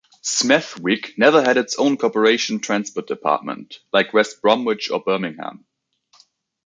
Smethwick never had its own Corporation Transport Department, like West Bromwich or Birmingham.